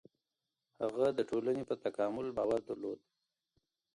هغه د ټولني په تکامل باور درلود.